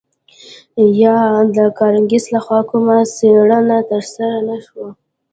یا د کانګرس لخوا کومه څیړنه ترسره نه شوه